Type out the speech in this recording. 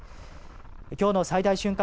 きょうの最大瞬間